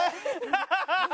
アハハハ！